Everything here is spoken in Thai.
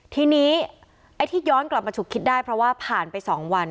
ทีนี้ไอ้ที่ย้อนกลับมาฉุกคิดได้เพราะว่าผ่านไป๒วัน